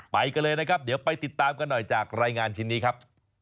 ไปกันเลยนะครับเดี๋ยวไปติดตามกันหน่อยจากรายงานชิ้นนี้ครับ